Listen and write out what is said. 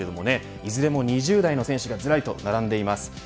いずれも２０代の選手がずらりと並んでいます。